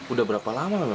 udah berapa lama